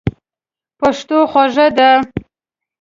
پښتو خوږه ده.